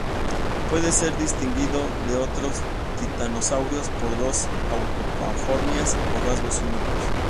Puede ser distinguido de otros titanosaurios por dos autapomorfias, o rasgos únicos.